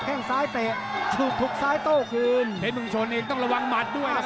แค่งซ้ายเตะถูกซ้ายโต้คืนเพชรเมืองชนเองต้องระวังหมัดด้วยนะครับ